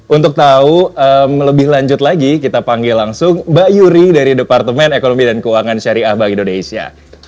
untuk tahu lebih lanjut lagi kita panggil langsung mbak yuri dari departemen ekonomi dan keuangan syariah bank indonesia